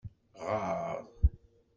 Ɣeṛ.